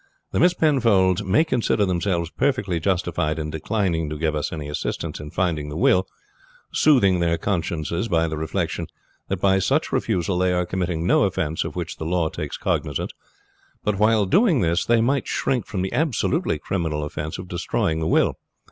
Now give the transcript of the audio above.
The Miss Penfolds may consider themselves perfectly justified in declining to give us any assistance in finding the will, soothing their consciences by the reflection that by such refusal they are committing no offense of which the law takes cognizance; but while doing this they might shrink from the absolutely criminal offense of destroying the will.